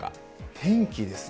天気ですね。